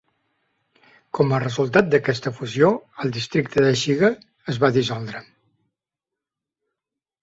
Com a resultat d'aquesta fusió, el districte de Shiga es va dissoldre.